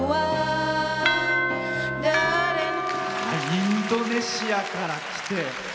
インドネシアから来て。